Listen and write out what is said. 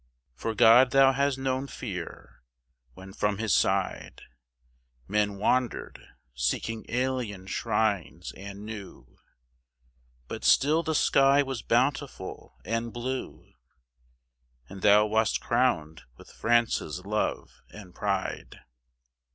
For God thou has known fear, when from His side Men wandered, seeking alien shrines and new, But still the sky was bountiful and blue And thou wast crowned with France's love and pride.